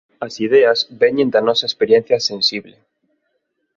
As ideas veñen da nosa experiencia sensible.